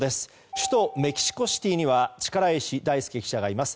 首都メキシコシティには力石大輔記者がいます。